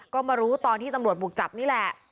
ก็มารู้ตอนที่ตำรวจบุกจับนี่แหละ